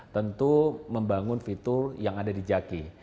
tentu membangun fitur yang ada di jaki